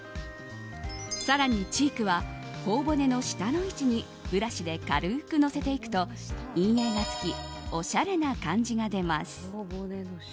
更に、チークは頬骨の下の位置にブラシで軽くのせていくと陰影がつきおしゃれな感じが出ます。